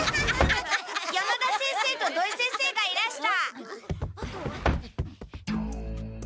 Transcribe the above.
・山田先生と土井先生がいらした！